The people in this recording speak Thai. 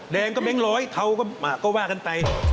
แดงก็แบงร้อยเขาก็ว่ากันใต้